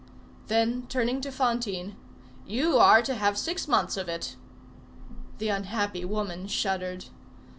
Then, turning to Fantine, "You are to have six months of it." The unhappy woman shuddered.